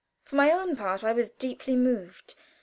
For my own part, I was deeply moved.